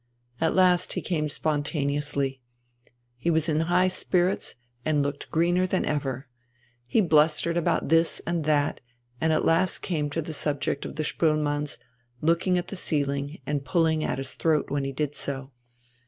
At last he came spontaneously. He was in high spirits and looked greener than ever. He blustered about this and that, and at last came to the subject of the Spoelmanns, looking at the ceiling and pulling at his throat when he did so.